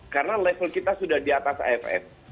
karena level kita sudah di atas aff